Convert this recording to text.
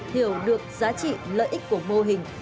hiểu được giá trị lợi ích của mô hình